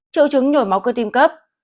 chữ chứng nhồi máu cơ tim cấp